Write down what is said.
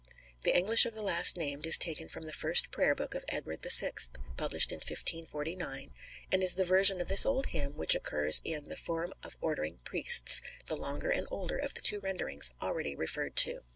The English of the last named is taken from the First Prayer Book of Edward VI., published in 1549, and is the version of this old hymn which occurs in "The Fourme of Ordering Priestes," the longer and older of the two renderings already referred to.